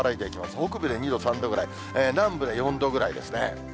北部で２度、３度ぐらい、南部で４度ぐらいですね。